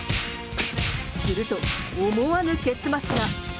すると思わぬ結末が。